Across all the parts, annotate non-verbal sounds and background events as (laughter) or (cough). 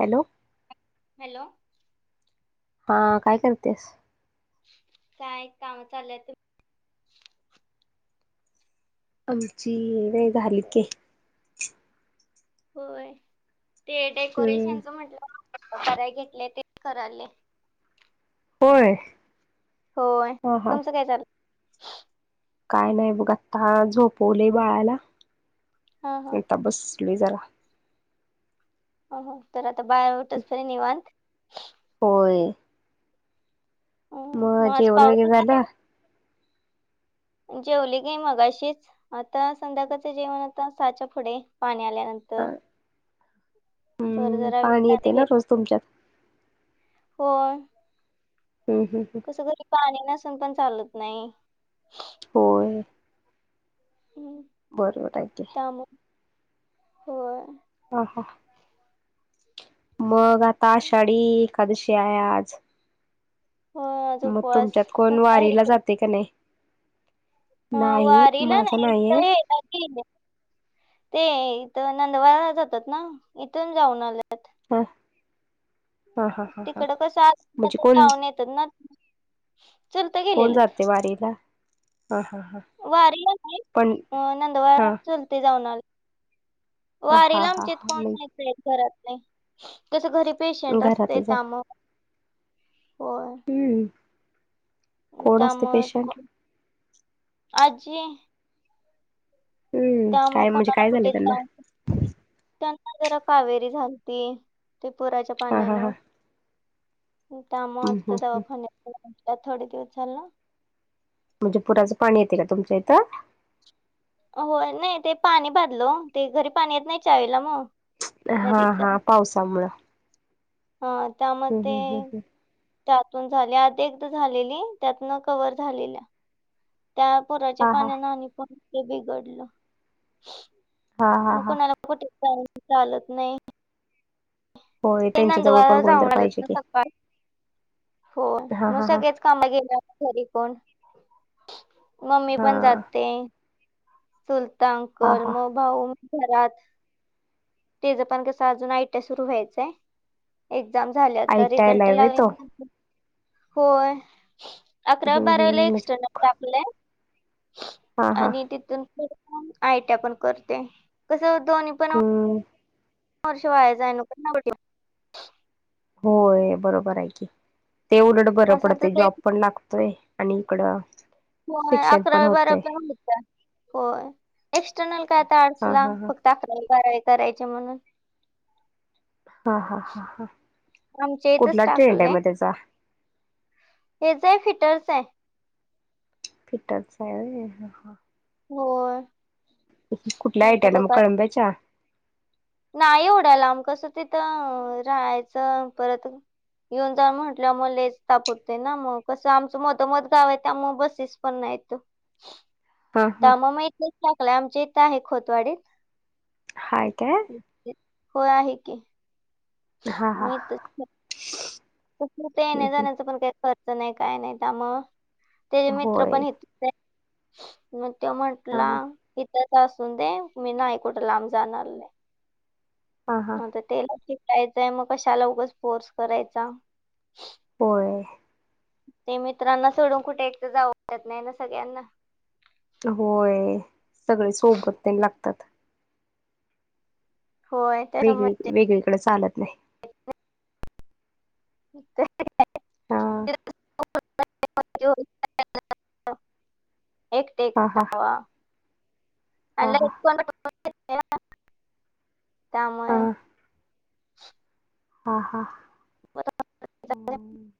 Hello hello हा काय करतेस? काय काम चाललंय. आमची व्हय झाली की, होय ते हम्म डेकोरेशनच म्हटलं नव्हतं कराय घेतले ते कराले. होय. होय. हा हा तुमचं काय चाललंय? काय नाही बघ आता झोपवलय बाळाला हा हा आणि आता बसलोय जरा हो हो तर आता बाळ उठूतोवर निवांत होय. हम्म, मग आज जेवण पाऊस वगैरे होता झालं? जेवली की मगाशीच आता संध्याकाळचं जेवण आता सहाच्या पुढे पाणी आल्यानंतर तर तोवर हम्म जरा पाणी विश्रांती येते ना घ्यायची. तुमच्यात होय. हम्म कसं घरी पाणी नसून पण चालत नाही. हम्म होय हम् बरोबर आहे कि होय हा हा मग आता आषाडी एकादशी आहे आज होय आज मग उपवास तुमच्यात कोण तुमचा वारीला जाते का नाही? अ नाही वारीला माझा नाही नाहीये हे ते इथ नंदवार जातात ना इथून जाऊन आल्यात. हा हा हा हा हा तिकडं कसं म्हणजे आतमध्ये कोण? जाऊन येतात ना चलत कोण गेलेलेत जाते वारीला हा वारी पण हा नंदवार चुलती जाऊन आलती हा वारीला हा आमच्यात हा कोण नाही जात. घरातले कसं घरी पेशंट मग असते घरातलेच त्यामुळं होय हम्म कोण असते त्यामुळं पेशंट? कोण आजी हम्म त्यामुळे काय म्हणजे कोणाला काय झाले कुठेच त्यांना जाऊन त्यांना जरा कावेरी ते पुराच्या हा हा हा पाण्यानं त्यामुळे हम् आता हम् दवाखान्यात होत्या थोडे दिवस झालं म्हणजे पुराचं पाणी येते का तुमच्या इथं? हो नाही ते पाणी बाधलं ते घरी पाणी येत नाही चावीला मग हा नदीचा हा पावसामुळं ह त्यामुळे हम् ते हम् हम् हम् त्यातून झाली आधी एकदा झालेली त्यातून कव्हर झालेल्या. त्या पुराच्या हा हा पाण्यान आणि पण ते बिघडलं. हा हा मग हा कोणाला कुठे जाऊन चालत नाही. होय ते त्यांच्या जवळ नंदवार पण कोणतर जाऊन आलेत पाहिजे ना की पप्पा हो हा मग हा हा सगळेच कामाला गेल्यावर घरी कोण मम्मी पण हा जाते. सुलतान हा अकल हा मग भाऊ घरात तेज पण कसं अजून आटीया सुरू व्हायचंय. एक्झाम झाल्या तर ऐकायला रिझल्ट व्हय तो लागला कि होय अकरा हम्म बारावीला हम्म म्हणजे एक्स्टनल टाकलंय हा हा आणि तिथून पुढे आयटीया पण करते कसं दोन्ही पण हम्म वर्ष व्हाय जायला नको होय बरोबर आहे की ते उलट बरं असं पडते तसं एक जॉब पण लागतोय. आणि इकडं होय शिक्षण पण अकरावी होतय बारावी पण होतीय एक्सटर्नल काय आता हा आडसला हा हा फक्त अकरावी बारावी करायची म्हणून हा हा हा ह आमच्या इथंच कुठला ट्रेंड आहे टाकलंय. मग त्याचा? हेच आहे फिटरच आहे. फिटच आहे होय हा होय.. कुठल्या आता आयट्याला मग बघा कळंब्याच्या? नाही एवडायला आम कसं तिथं राहायचं परत, येऊन जाऊन म्हंटलं मग लेच ताप होते ना मग कसं आमचं मधमध गाव आहे त्या मग बसेस पण नायत. हा हा त्यामुळं मग इथं एक टाकलंय आमच्या इथं आहे खोतवाडीत. हाय काय? होय आहे की हा हा मग इथंच, कु कुठं येण्या जाण्याचा पण काही खर्च नाही काय नाही त्यामुळं, तेजी मित्र होय पण इथंच आहेत मग तो हा म्हटंला, हा इथंच असून दे मी नाही कुठं लाब जाणार लई. हां हां बरं त्याला शिकायचं आहे मग कशाला उगच फोर्स करायचा. होय, ते मित्रांना सोडून कुठे एकटं जाऊ वाटत नाही ना सगळ्यांना, होय सगळे सोबत तेन लागतात. होय वेगळी त्याच्यामध्ये वेगळीकडे चालत नाही. हा (unintelligible) एकट हा एकटं हा जावा हा आणि कोण, (unintelligible) त्यामुळे (unintelligible) हा हा बरं. हूं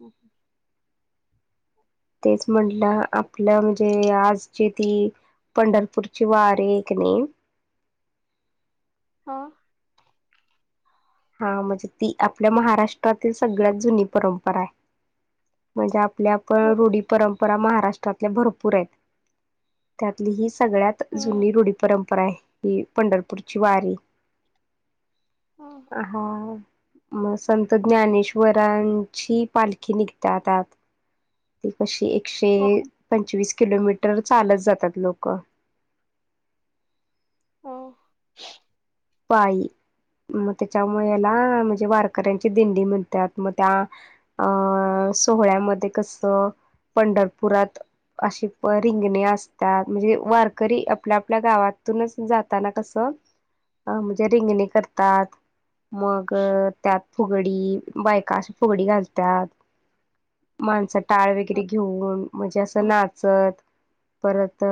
हू तेच म्हटलं आपलं म्हणजे आजची ती. पंढरपूरची वारी आहे कनई. हा, हा म्हणजे ती आपल्या महाराष्ट्रातील सगळ्यात जुनी परंपरा आहे म्हणजे आप, आपल्या पण रूढी परंपरा महाराष्ट्रातल्या भरपूर आहेत. त्यातली ही सगळ्यात हं. जुनी रूढी परंपरा आहे ही पंढरपूरची वारी. हम, हा, मग संत ज्ञानेश्वरांची पालखी निघत्या आता आत, ती कशी एकशे हं. पंचवीस किलोमीटर चालत जातात लोक. हम, पायी मग त्याच्यामुळे याला म्हणजे वारकऱ्यांची दिंडी म्हणत्यात मग त्या, अ सोहळ्यामध्ये कसं पंढरपुरात, अशी प रिंगणे असतात म्हणजे वारकरी आपल्या आपल्या गावातूनच जाताना कसं, अ म्हणजे रिंगणे करतात मग त्यात, फुगडी बायका अशी फुगडी घालत्यात माणस, टाळ वगैरे हं. घेऊन म्हणजे असं नाचत, परत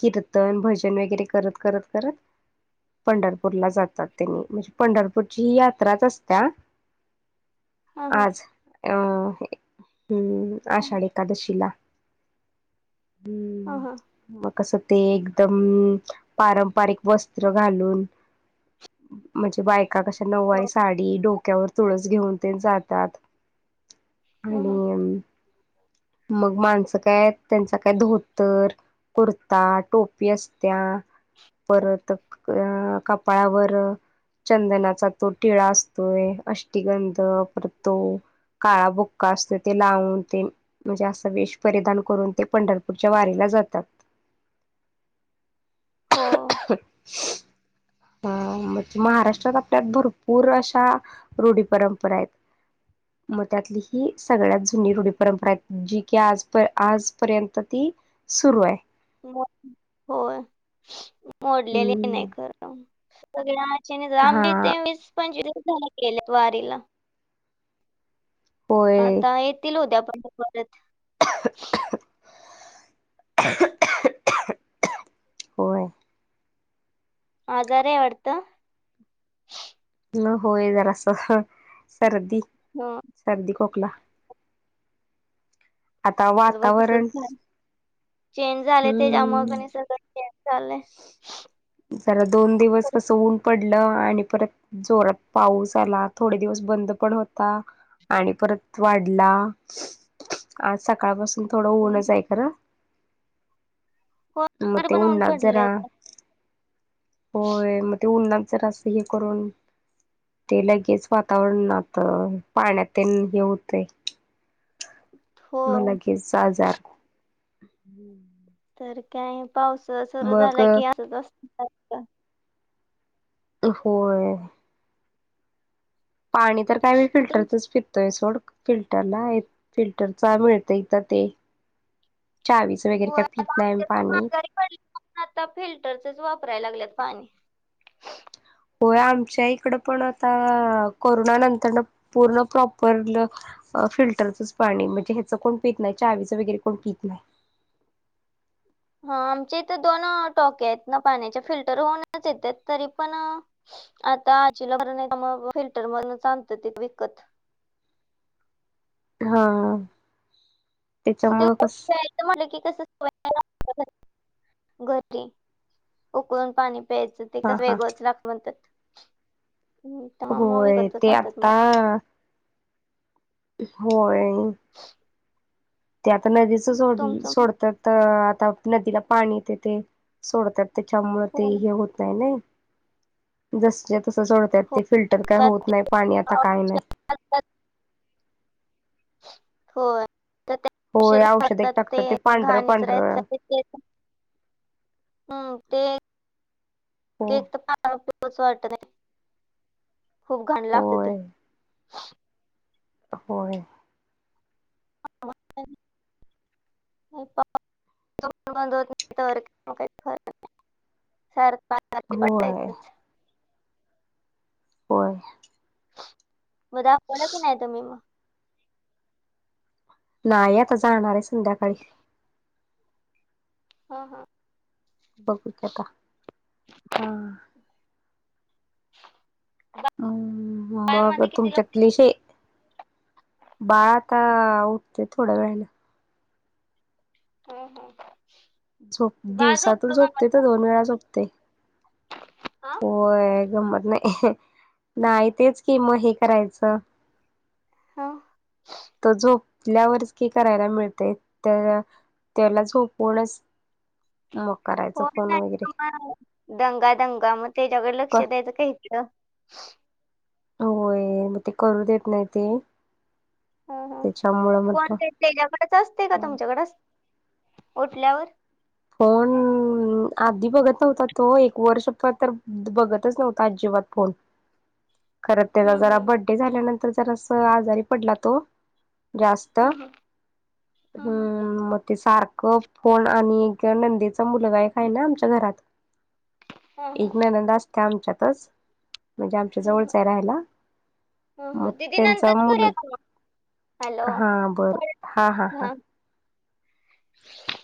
कीर्तन भजन वगैरे करत करत करत. पंढरपूरला जातात त्यांनी म्हणजे पंढरपूरची ही यात्राच असत्या. हा हा आज अ हूं आषाढ एकादशीला. हां हा. हम्म मग कसं ते एकदम पारंपरिक वस्त्र घालून. ते बायका कशा नववारी हो साडी डोक्यावर तुळस घेऊन तेन जातात. आणि हं हं म मग माणसात काय त्यांचा काय धोतर, कुर्ता, टोपी असत्या परत अ कपाळावर चंदनाचा तो टिळा असतोय. अष्टीगंध, परत तो काळा बुक्का असतोय ते लावून तेन म्हणजे असं वेश परिधान करून ते, पंढरपूरच्या वारीला जातात. हो. (inaudible) आ महाराष्ट्रात आपल्यात भरपूर अशा रूढी परंपरा आहेत. (inaudible) मग त्यातली ही सगळ्यात जुनी रुढी परंपरा आहे. जी की, आज आजपर्यंत ती सुरू हाय. मो होय, मोडलेली हम्म नाही खरं. सगळ्या आशेने हा (unintelligible) वीस पंचवीस केले वारीला. होय आता येतील उद्या (unintelligible) परत. (inaudible) होय. आजारी हाय वाटतं? न होय जरास असं सर्दी. हा. सर्दी, खोकला. आता माझं पण तसंच वातावरण झाल. चेंज झालय ना तेच्यामुळे हम्म सगळच चेंज झालय. जरा दोन दिवस खरंच. कस ऊन पडलं आणि परत जोरात पाऊस आला. थोडे दिवस बंद पण होता. आणि परत वाढला. आज सकाळपासून थोडं ऊनच हाय खरं. हो म बाहेर ते पण ऊन उनात जरा पडलेत होय म ते उन्हात जरासं हे करून ते लगेच वातावरणात, पाण्यात हे होतय. हो मग लगेच आजार. तर काय, पावसाळा सुरू मग झाला की असच असत. होय. पाणी तर काय मी मग तर फिल्टरच पितोय. तोय सोड. फिल्टरला फिल्टरचा मिळत इथ ते चावीच. वगैरे होय काय आता पीत नाही आम्ही आमच्यात पाणी. (unintelligible) आता फिल्टरचच वापरायला लागल्यात पाणी. होय आमच्या इकडं पण आता, कोरोना नंतर पूर्ण प्रॉपरल अ फिल्टरचंच पाणी म्हणजे ह्याचं कोण पित नाही. चावीचं वगैरे कोण पीत नाही. हा आमच्या इथे दोन टाक्या आहेत ना पाण्याच्या, फिल्टर होऊनच येतय तरी पण आता आजीला बरं नाही मग फिल्टरमधलच आनत्या ती विकत. हंह असं तेच्यामुळं उकळून कस ते प्यायचं म्हटलं की कस (unintelligible) लागत्यातच. घरी उकळून पाणी प्यायचं, ते हा कस हा वेगळच लागल म्हणत्यात. होय ते आता होय. (inaudible) ते आता नदीच सोड तुमचं सोडत्यात, आता नदीला पाणी येत ते सोडतात. त्याच्यामुळे हो ते हे होत नाही ना जस तस सोडतात. हो ते फिल्टर काय त्यात होत ते नाही पाणी आता काय नाही. (unintelligible) होय त्या त्या औषध होय घालतात एक ते टाकतात पांढरं घाणीच पांढरं राहतात ते. हम्म ते. (unintelligible) हो (unintelligible) याच वाटत नाही खूप घाण लागत ते होय होय (unintelligible) होत नाही तर काहीर नाही सारख आजारी होय पडायचंच. होय मग दाखवलं की नाही तु मही मग नाही आता सांगणार आहे संध्याकाळी हा हा बघीतल का हा (inaudible) हम् मग पायामध्ये किती तुमच्यातलीच शे बाळा आता उठते थोड्या वेळानी. हो हो झोप दिवसातून झोपते तर दोन वेळा झोपते. होय गंमत नाही (unintelligible) नाही तेच की मग हे करायचं हा तर झोपल्यावरच क करायला मिळतय त्या त्याला झोपूनच. मग करायचं फोन नाही वगैरे मग दंगा दंगा मग त्याच्याकडे क लक्ष द्यायचं इतल होय मग ते करू देत नाही ते् हो हो फोन म्हटलं त्यांच्याकडे असते का तुमच्याकडे असते उल्यावर फोन अम आधी बघत नव्हता तो एक वर्ष तर बघतच नव्हता आजिबात फोन. खर त्याला जरा बर्थडे झाल्यानंतर जरा अस आजारी पडला तो. जास्त हम् मग ते सारखं फोन आणि नंदीचा मुलगा एक आहे ना आमच्या घरात, एक ननंद अस ते आमच्यातच म्हणजे जवळच आहे राहायला मग दीदी नंतर त्यांचा मुल करूया का मग हॅलो हा बरं थोड्या- हा हा हा (inaudible)